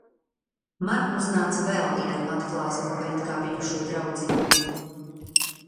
Man uznāca vēl viena atklāsme par it kā bijušo draudzību.